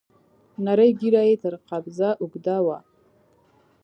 نرۍ ږيره يې تر قبضه اوږده وه.